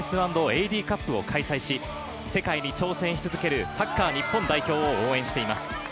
カップを開催し、世界に挑戦し続けるサッカー日本代表を応援しています。